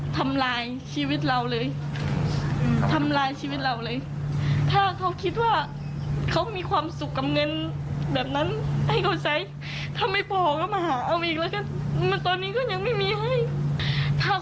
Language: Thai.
ตรงนี้ตรงเลยว่าไม่รักค่ะ